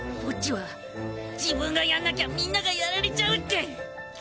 ボッジは自分がやんなきゃみんながやられちゃうって。